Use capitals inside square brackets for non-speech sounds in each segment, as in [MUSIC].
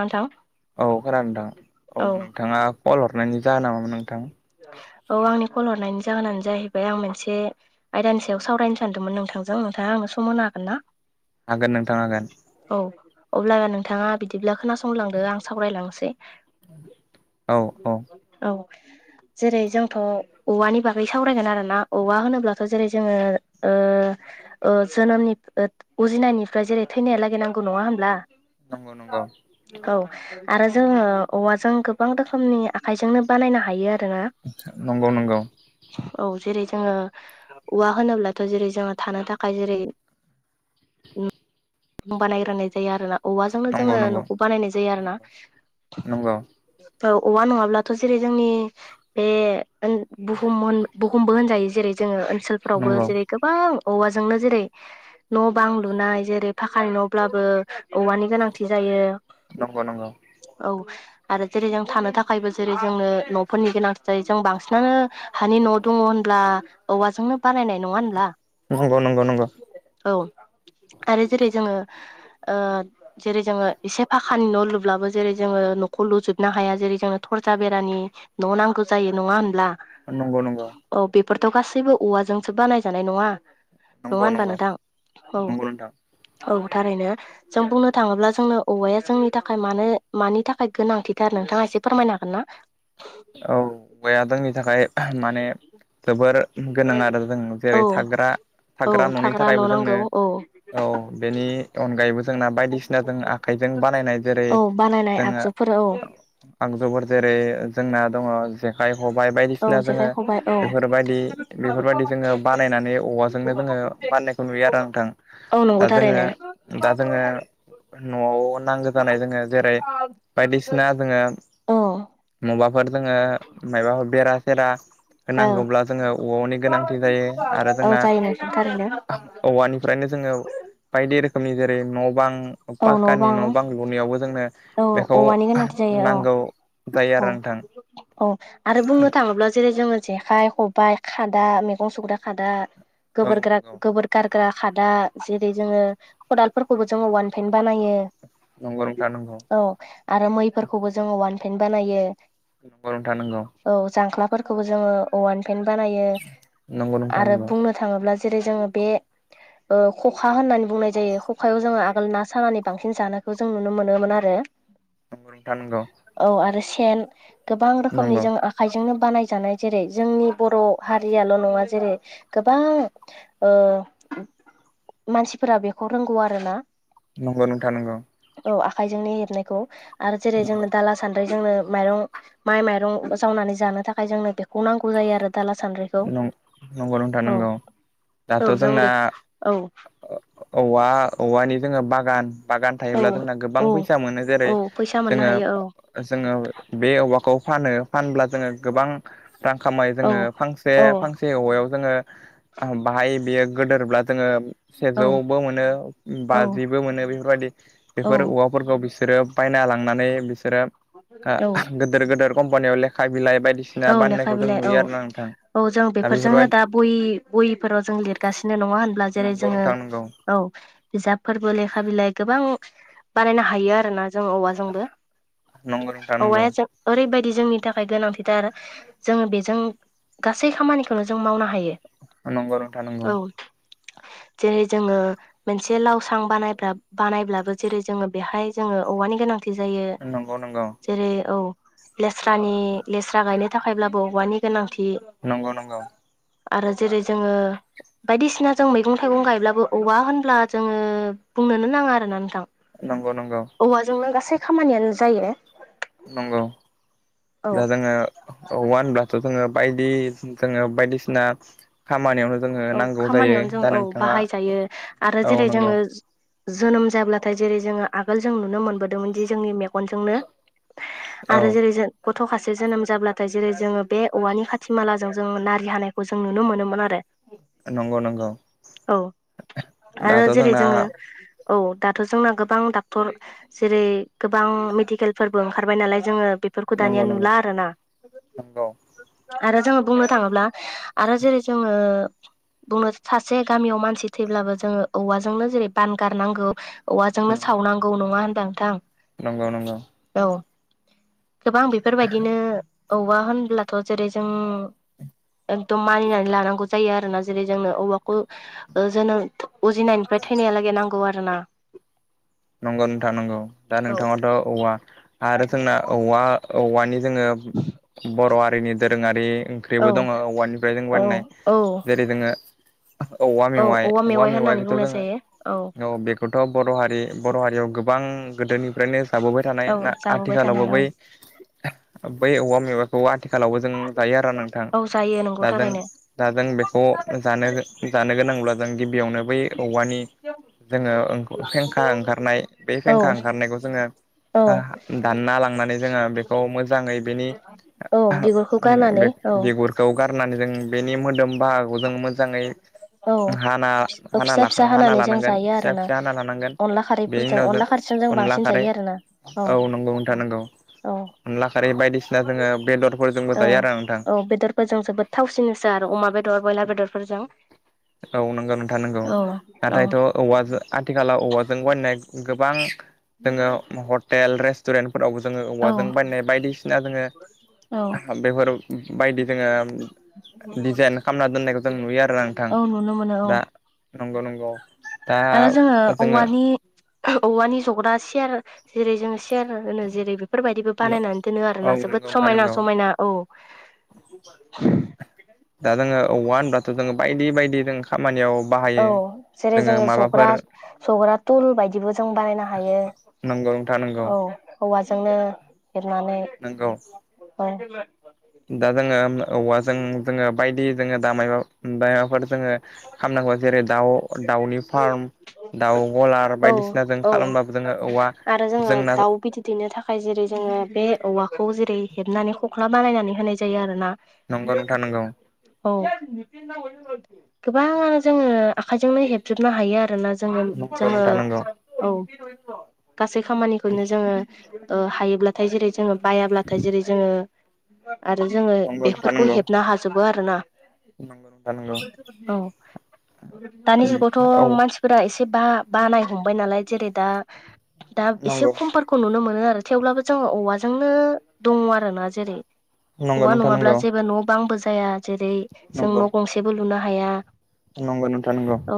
नांथां औ खोनादों नोंथां औ नोंथाङा कल हरनायनि जाहोना मामोन नोंथां? औ आंनि कल हरनायनि जाहोनानो जाहैबाय आं मोनसे आयदानि सायाव सावरायनो सानदोंमोन नोंथांजों नोंथां आंनो सम होन हागोन ना! हागोन नोंथां हागोन। औ अब्ला नोंथाङा बिदिब्ला खोनासं संलांदो आं सावरायलांसै औ औ औ जेरै जोंथ' औवानि बागै सावरायगोन आरोना औवा होनोब्लाथ' जेरै जोङो ओ ओ जोनोमनि उजिनायनिफ्राय जेरै थैनाया लागैनांगौ नङा होमब्ला? नंगौ नंगौ औ आरो जोङो औवाजों गोबां रोखोमनि आखायजोंनो बानायनो हायो जोङो नंगौ नंगौ औ जेरै जोङो औवा होनोब्लाथ' जेरै जोङो थानो थाखाय जेरै बानाय रोंनाय जायो आरोना औवाजोंनो नंगौ जोङो नंगौ न'खौ बानायनाय जायो आरो ना नंगौ औ औवा नङाब्लाथ' जेरै जोंनि बे बुहुम बुहुमबो होनजायो जेरै जोङो ओनसोलफोरावबो नंगौ जेरै गोबां औवाजोंनो जेरै न' बां लुनाय जेरै फाखानि न'ब्लाबो औवानि गोनांथि जायो। नंगौ नंगौ औ आरो जेरै जों थानो थाखायबो जेरै जोंनो न'फोरनि गोनां जायो जों बांसिनानो हानि न' दङ' होनब्ला औवाजोंनो बानायनाय नङा होनब्ला? नंगौ नंगौ औ आरो जेरै जोङो ओ जेरै जोंङो एसे फाख [UNINTELLIGIBLE] दखाननि न' लुब्लाबो जेरै जोंङो न'खौ लुजोबनो हाया जेरै जोंङोनो थरजा बेरानि न' नांगौ। जायो नङा होनब्ला नंगौ नंगौ फोरथ' गासैबो औवाजोंसो बानायजानाय नङा नंगौ नङाहोनबा नंगौ नोंथां औ नंगौ नोंथां औ थारैनो जों बुंनो थाङोब्ला जोंनो औवाया जोंनि थाखाय मानो मानि थाखाय गोनांथिथारनो नोंथाङा एसे फोरमायनो हागोन ना? औ मया जोंनि थाखाय माने जोबोर गोनां आरो जों औ जेरै थाग्रा औ थाग्रा न'नि न' थाखायबो नांगौ जोंनो औ औ बेनि अनगायैबो जोंना बायदिसिना जों आखाइजों जों बानायनाय जेरै औ बानायनाय जोंङो आगजुफोर औ आगजुफोर जेरै जोंना दङ जेखाइ खबाय औ बायदिसिना जोंङो जेखाइ खबाइ औ बेफोरबायदि बेफोरबायदि जोंङो बानायनानै औवाजोंनो जोंङो बाननायखौ नुयो आरो नोंथां औ नंगौ दा जोंङो थारैनो दा जोङो न'आव नांगौ जानाय जोंङो जेरै बायदिसिना जोंङो औ बेफोर जोंङो माबाफोर बेरा सेरा औ होनांगौब्ला जोंङो औ'नि गोनांथि जायो आरो औ जोंना जायो नोंथां थारैनो औवानिफ्रायनो जोंङो बायदि रोखोमनि जेरै न' बां पाक्कानि न' बां लुनायावबो जोंनो औ बेखौ औवानि गोनांथि जायो औ नांगौ। जायो औ आरो नोंथां। औ आरो बुंनो थाङोब्ला जेरै जोंङो जेखाइ खबाइ खादा मैगं सुग्रा खादा औ गबोर गार नंगौ गबोर गार ग्रा खादा जेरै जोंङो खदालफोरखौबो जोंङो ववानफेेन बानायो। नंगौ नोंथां नंगौ औ आरो मैफोरखौबो जोंङो औवानिफायनो बानायो। नोंगौ नोंथां नोंगौ फोरखौबो जोंङो औवानिफ्रायनो बानयो नंगौ नोंथां आरो नंगौ बुंनो थाङोब्ला जेरै जोंङो बे ओ खखा होननानै बुंनाय जायो खखायाव जोंङो आगोल ना सानानै बांसिन जानायखौ जों नुनो मोनोमोन आरो नंगौ नोंथां नंगौ औ आरो सेन गोबां रोखनि आखजोंनो बानायजानाय जेरै जोंनि बर' हारियाल' नङा जेरै गोबां ओ मानसिफोरा बेखौ रोंगौ आरो ना नंगौ नोंथा नंगौ औ आखाइजोंनो हेबनायखौ आरो जेरै जोंनो दाला सानद्राय जोंनो माइरं माइ माइरं जावनानै जानो थाखाय जोंनो बे नांगौ जायो आरो दाला सान्द्रिखौ नंगौ नंगौ नोंथां औ नंगौ औ दाथ' जों जोंना बे औ औवा औवानि जोंङो बागान बागान औ थायोब्ला जोंना गोबां औ फैसा मोनो जेरै औ फैसा मोननो जोंङो हायो औ जोंङो बे औवाखौ फानो फानब्ला जोंङो गोबां रां खामाय औ जोंङो फांसे औ फांसे औवायाव जोंङो बाहाय बेयो गोदोरब्ला जोंङो औ सेजौबो मोनो औ बाजिबो मोनो बेफोरबायदि औ बेफोर औवाफोरखौ बि बिसोरो बायना लांनानै बिसोरो ओ औ गिदिर गिदिर कम्पानियाव लेखा बिलाइ बायदिसिना बानायनाय बिलइ औ औ जों बेफोरजोंनो बेफोरबायदि दा बहिफोराव जों लिरगासिनो नङा होनब्ला जेरै नंगौ जोंङो नोंथां नंगौ औ बिजाबफोरबो लेखा बिलाइ गोबां बानायनो हायो आरोना जों औवाजोंबो नंगौ नोंथां नंगौ औवाया जों ओरैबायदि जोंनि थाखाय गोनांथिथार जोंङो बेजों गासै खामानिखौनो जों मावनो हायो। नंगौ नंथा नांगौ औ [INAUDIBLE] जेरै- जोङो मोनसे लावसां बानाय बानायब्लाबो जेरै- जोङो बेहाय जोङो औवानि गोनांथि थि जायो नंगौ नंगौ जेरै- औ लेस्रानि लेस्रा गायनो थाखायब्लाबो औवानि गोनां नंगौ नंगौ आरो जेरै जोङो बायदिसिना जों मैगं थाइगं गायब्लाबो औवा होनब्ला जोङो बुंनोनो नाङा आरोना नोंथां नंगौ नंगौ औवाजोंनो गासै खामानियानो जायो नंगौ औ दा जोङो औव होनब्लाथ' जोङो बायदि जोङो बायदिसिना खामानियावनो जोङो औ नांगौ जायो खामानियावनो जों दा औ नोंथाङा बाहायजायो आरो औ जेरै नंगौ जोङो जोनोम जाब्लाथाय जेरै जोङो आगोल जों नुनो मोनबोदोंमोनदि जोंनि मेगनजोंनो औ आरो जेरै जों गथ'खासे जोनोम जाब्लाथाय जेरै जोङो बे औवानि खाथि मालाजों जोङो नारि हानायखौ जों नुनो मोनोमोन आरो नंगौ नंगौ औ आरो दाथ' जेरै जोंना जोङो औ दाथ' जोंना गोबां डक्टर जेरै गोबां मेडिकेलफोरबो ओंखारबाय नालाय जोङो बेफोरखौ नंगौ दानिया नंगौ नुला आरोना नंगौ आरो जोङो बुंनो थाङोब्ला आरो जेरै जोङो बुंनो सासे गामियाव मानसि थैब्लाबो जोङो औवाजोंनो जेरै बान गारनांगौ औवाजोंनो नंगौ नंगौ सावनांगौ नङा होनबा नंगौ नंगौ नोंथां औ गोबां बेफोरबायदिनो औवा होनब्लाथ' जेरै जों एकदम मानिनानै लानांगौ जायो आरो आरोना जेरै जोंनो औवाखौ जोनोम उजिनायनिफ्राय थैनायलागै नांगौ आरो ना नंगौ नोंथां नंगौ दा नोंथाङाथ' औवा आरो जोंना औवा औवानि जोङो बर' हारिनि दोरोङारि औ ओंख्रिबो दङ औवानिफ्राय जों औ बाननाय औ जेरै जोङो औवा औ मेवाइ औवा होननानै मेवाइखौथ' बुंनाय जायो जोङो औ बेखौथ' बर' हारि बर' हारियाव गोबां गोदोनिफ्रायनो जाबोबाय थानाय औ ना जाबोबाय आथिखालावबो थानाय औ बै बै औवा मेवाखौ आथिखालावबो जों जायो आरो नोंथां औ जायो नंगौ दा जों थारैनो दा जों बेखौ जानो जानो गोनांब्ला जों गिबियावनो बै औवानि जोङो फेंखा ओंखारनाय बे औ फेंखा ओंखारनायखौ जोङो औ दानना लांनानै जोङो बेखौ मोजाङै बेनि औ बिगुरखौ [UNINTELLIGIBLE] गारनानै औ बिगुरखौ गारनानै जों बेनि मोदोम बाहाखौ जों मोजाङै औ हाना फिसा हानालाख फिसा हाना हानानै जों लानांगोन जायो फिसा आरोना फिसा हाना लानांगोन अनला बेनि खारैफोरजों उनाव जों अनला खारैजों अनला बांसिन खारै जायो आरोना औ नंगौ नोंथां नंगौ औ अनला खारै बायदिसिना जोङो बेदरफोरजोंबो औ जायो आरो नोंथां औ बेदरफोर जों जोबोद थावसिनोसै आरो अमा बेदर दर ब्रयलार बेदरफोरजों औ नंगौ नोंथां नंगौ औ औ नाथायथ' औवाजों आथिखालाव औवाजों बानायनाय गोबां जोङो हटेल रेस्टुरेन्टफोरावबो जोङो औ औवाजों बायनाय बायदिसिना जोङो बेफोर बायदि जोङो दिडजाइन खालामना दोननायखौ जों नुयो आरो नोंथां औ नुनो मोनो औ दा नंगौ नंगौ दा आरो जोङो औवानि औवानि जग्रा सियार जेरै जों सियार होनो जेरै बेफोरबायदिबो बानायनानै दोनो आरो औ जोबोद नंगौ नोंथां समायना नंगौ समायना औ दा जोङो होनब्लाथ' जोङो बायदि बायदि जों खामानियाव बाहायो औ जेरै जोङो जग्रा जग्रा थुल बायदिबो जों बानायनो हायो नंगौ नोंथां नंगौ जोंनो हेबनानै नंगौ दा जोङो औवाजों जोङो बायदि जोङो दामाय ओमफ्राय माबाफोर जोङो खालामनांगौ जेरै दाउ दाउनि फार्म दाउ गलार औ बायदिसिना जों औ खालामबाबो जोङो औवा आरो जोङो जोंना दाउ बिदै दैनो थाखाय जेरै जोङो बे औवाखौ जेरै हेबनानै खख्ला बानायनानै होनाय जायो आरो ना। नंगौ नोंथां नंगौ। औ गोबां जोङो आखाइजोंनो हेबजोबनो हायो आरोना जों नंगौ जोङो नोंथां नंगौ औ। गासै खामानिखौनो जोङो हायोब्लाथाय जेरै जोङो बायाब्लाथाय जेरै जोङो आरो जोङो नंगौ नोंथां बेफोरखौ नंगौ हेबनो हाजोबो आरोना। नंगौ नोंथां नंगौ औ दानि औ जुगावथ' मानसिफोरा एसे बा बानाय हमबाय नालाय जेरै दा दा एसे नंगौ खमफोरखौ नुनो मोन थेवब्लाबो जोंङो औवाजोंनो दङ आरोना जेरै नंगौ औवा नोंथां नङाब्ला नंगौ जेबो न' बांबो जाया जेरै जों नंगौ न' गंसेबो लुनो हाया। नंगौ नोंथां नंगौ। औ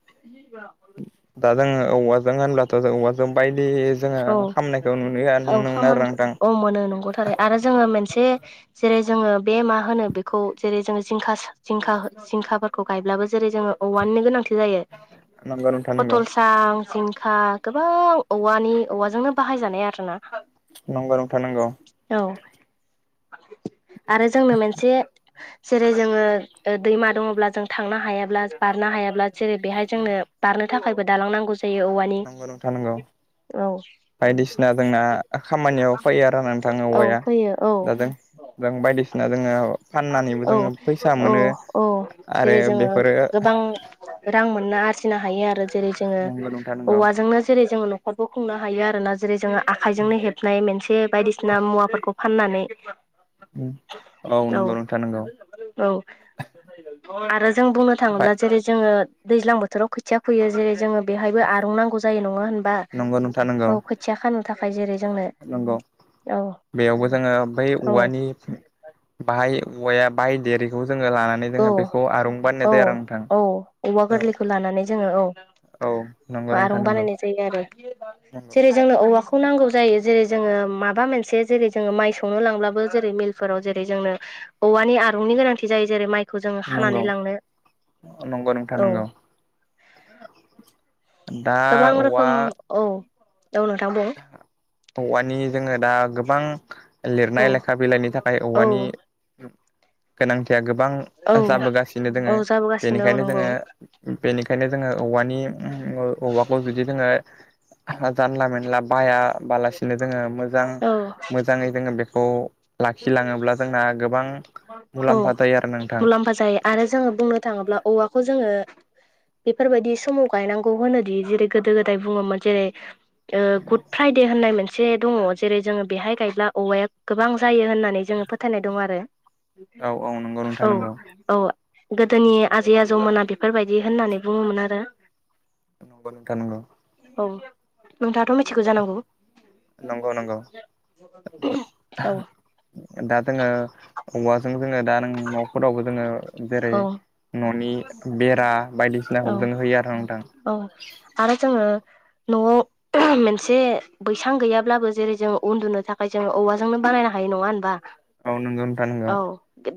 [UNINTELLIGIBLE] दा जोंङो औवाजों होनब्लाथ' जों औवाजों बायदि। जोङो औ खामनायखौ नुयो औ नुनो मोनो आरो खामानिखौ नोंथां औ मोनो नंगौथार आरो जोङो मोनसे जेरै जोङो बे मा होनो बेखौ जेरै जोङो जिंगाखास जिंखा जिंखाफोरखौ गायब्लाबो जेरै जोङो औवानिनो गोनांथि जायो। नंगौ नोंथां नंगौ फथलसां जिंखा गोबां औवानि औवाजोंनो बाहायजानाय आरोना नंगौ नोंथां नंगौ। औ आरो जोंनो मोनसे जेरै जोङो दैमा दङब्ला जों थांनो हायाब्ला बारनो हायाब्ला जेरै बेहाय जोंनो बारनो थाखायबो दालांनांगौ जायो औवानि। नंगौ नोंथां नंगौ औ बायदिसिना जोंना खामानियाव फैयो आरो नोंथां औ औवाया फैयो औ दा जों। जों बायदिसिना जोङो फाननानैबो औ जोङो फैसा औ मोनो औ जेरै आरो जोङो बेफोरो गोबां रां मोननो आरजिनो हायो आरो जेरै जोङो नंगौ नोंथां नंगौ औवाजोंनो जेरै जोङो न'खरखौ खुंनो हायो आरोना जेरै जोङो आखाइजोंनो हेबनाय मोनसे बायदिसिना मुवाफोरखौ फाननानै औ नंगौ नोंथां नंगौ। औ आरो जों बुंनो बाय थाङोब्ला जेरै जोङो दैज्लां बोथोराव खोथिया फैयो जेरै जोङो बेहायबो आरं नांगौ जायो नङा होनबा? नंगौ नोंथां नंगौ। औ खोथिया खानो थाखाय जेरै जोंनो नंगौ औ बेयावबो जोङो बै औ औवानि बाहाय औवाया बाय देरिखौ जोङो लानानै औ जोङो बेखौ आरं औ बानायनाय जायो आरो नोंथां औ औवा औ। गोरलैखौ लानानै जोङो औ औ नंगौ नोंथां आरं नंगौ बानायनाय जायो आरो नंगौ जेरै जोंनो औवाख खौ नांगौ जायो जेरै जोङो माबा मोनसे जेरै जोङो माइ सौनो लांब्लाबो जेरै मिलफोराव जेरै जोंनो औवानि आरंनि गोनांथि जायो जेरै माइ खौ जोङो नंगौ हानानै लांनो नंगौ नोंथां औ। नंगौ दा गोबां औवा रोखोम औ औ नोंथां बुं। औवानि जोङो दा गोबां औ लिरनाय लेखा बिलाइनि थाखाय औ औवानि गोनांथिया गोबां औ ओ जाबोगासिनो औ दोङो जाबोगासिनो औ बेनिखायनो नंगौ जोङो बेनिखायनो जोङो औवानि उम ओ औवाखौ जुदि जोङो जानला मोनला बाहायाबालासिनो जोङो मोजां औ मोजाङै जोङो बेखौ लाखिलाङोब्ला जोंना गोबां औ मुलाम्फा जायो आरो नोंथां मुलाम्फा जायो आरो जोङो बुंनो थाङोब्ला औवाखौ जोङो बेफोरबायदि समाव गायनांगौ होनोदि जेरै गोदो गोदाय बुङोमोन जेरै ओ गुड फ्राइदे होननाय मोनसे दङ जेरै जोङो बेहाय गायब्ला औवाया गोबां जायो होननानै जोङो फोथायनाय दं आरो औ औ नंगौ नोंथां औ नंगौ औ। गोदोनि आजै आजौमोना बेफोरबायदि होननानै बुङोमोन आरो। नंगौ नोंथां‌ नंगौ। औ नोंथाङाथ' मिथिखौ जानांगौ? नंगौ नंगौ औ। दा जोङो औवाजों जोङो दा नों न'फोरावबो जोङो जेरै औ न'नि बेरा बायदिसिनाखौ औ जों होयो आरो नोंथां। औ आरो जोङो न'आव मोनसे बैसां गैयाब्लाबो जेरै जों उन्दुनो थाखाय जों औवाजोंनो बानायनो हायो। नङा होनबा? औ नोंगौ नोंथां नोंगौ। औ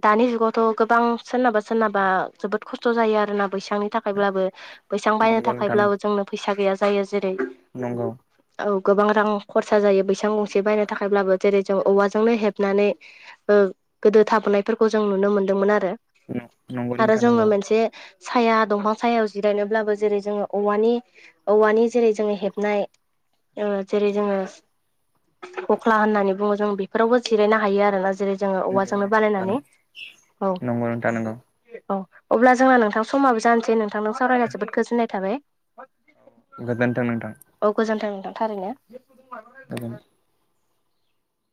दानि जुगावथ' गोबां सोरनाबा सोरनाबा जोबोद खस्थ' जायो आरोना बैसांनि थाखायब्लाबो बैसां बायनो नंगौ थाखायब्लाबो जोंनो फैसा गैया जायो जेरै नोंगौ। औ गोबां रां खरसा जायो बैसां गंसे बायनो थाखायब्लाबो जेरै जों औवाजोंनो हेबनानै ओ ओ गोदो थाबोनायफोरखौ जों नुनो मोनदोंमोन आरो नंगौ आरो नोंथां जोङो नंगौ मोनसे साया दंफां सायाव जिरायनोब्लाबो जेरै जोङो औवानि औवानि जेरै जोङो हेबनाय ओ जेरै जोङो खख्ला होननानै बुङो जों बेफोरावबो जिरायनो हायो आरोना जेरै जोङो औवाजोंनो बानायनानै। औ नोंगौ नोंथां नोंगौ। औ अब्ला जोंना नोंथां समाबो जानसै नोंथां नों सावरायना जोबोद गोजोननाय थाबाय। गोजोनथों नोंथां। औ गोजोन्थों थारैनो। गोजोन